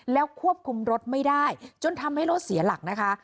แล้วควบคุมรถไม่ได้จนทำให้รถเสียหลักนะคะ